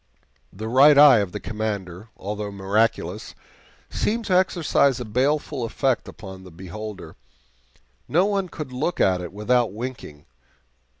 The Right Eye of the Commander, although miraculous, seemed to exercise a baleful effect upon the beholder. No one could look at it without winking.